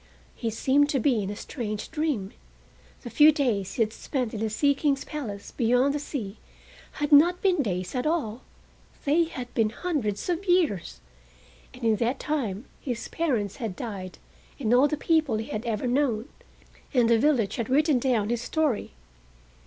He seemed to be in a strange dream. The few days he had spent in the Sea King's palace beyond the sea had not been days at all: they had been hundreds of years, and in that time his parents had died and all the people he had ever known, and the village had written down his story.